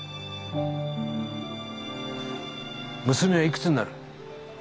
娘はいくつになる？